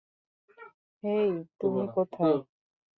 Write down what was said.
হেই, তুমি কোথায়?